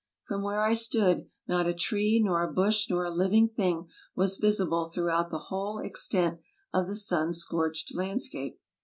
From where I stood not a tree nor a bush nor a living thing was visible throughout the whole extent of the sun scorched landscape.